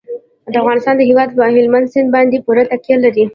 د افغانستان هیواد په هلمند سیند باندې پوره تکیه لري.